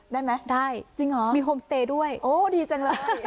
ได้ไหมได้จริงเหรอมีโฮมสเตย์ด้วยโอ้ดีจังเลย